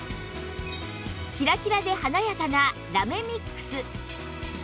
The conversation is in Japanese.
キラキラで華やかなラメミックス